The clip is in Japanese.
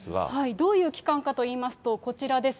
どういう機関かといいますと、こちらです。